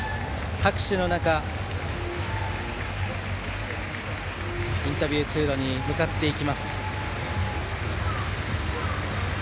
拍手の中インタビュー通路に向かっていきます。